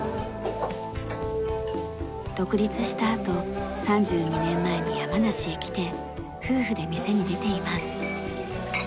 独立したあと３２年前に山梨へ来て夫婦で店に出ています。